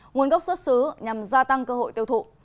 nguồn gốc xuất xứ nhằm gia tăng cơ hội tiêu thụ